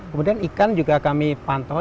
kemudian ikan juga kami pantau